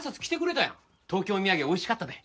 東京土産美味しかったで。